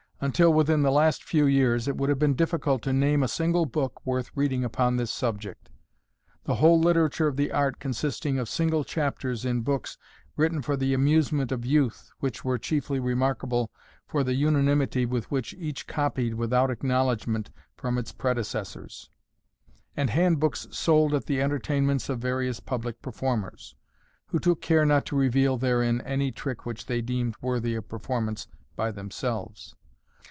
Until within the last few years it would have been difficult to name a single book worth reading upon this subject, the whole literature of the art consisting of single chapters in books written for the amusement of youth (which were chiefly remarkable for the unanimity with which each copied, without acknowledgment, from its predecessors), and handbooks sold at the entertainments of various public performers, who took care not to reveal therein any trick which they deemed worthy of performance by themselves.